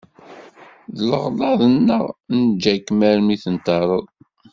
D leɣlaḍ-nneɣ neǧǧa-kem armi i tenṭerreḍ.